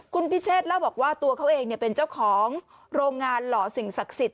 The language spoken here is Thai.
คุณพิเชษเล่าบอกว่าตัวเขาเองเป็นเจ้าของโรงงานหล่อสิ่งศักดิ์สิทธิ